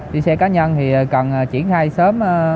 đi xe cá nhân thì cần triển khai sớm